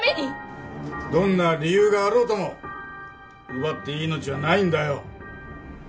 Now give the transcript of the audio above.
どんな理由があろうとも奪っていい命はないんだよ。